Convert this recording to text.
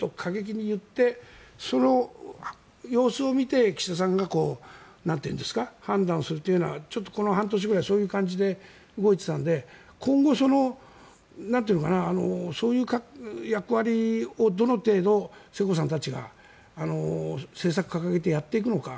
その様子を見て、岸田さんが判断をするというふうにこの半年ぐらい動いていたので今後、そういう役割をどの程度世耕さんたちが政策を掲げてやっていくのか。